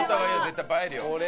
絶対映えるよ。